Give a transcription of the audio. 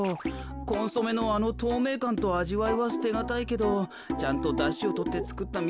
コンソメのあのとうめいかんとあじわいはすてがたいけどちゃんとだしをとってつくったみ